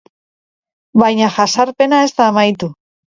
Baina jazarpena ez da amaitu.